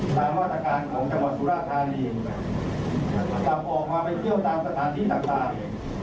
ตามมาตรการของจังหวัดสุราธานีกลับออกมาไปเที่ยวตามสถานที่ต่าง